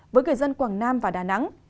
với người dân quảng nam và đà nẵng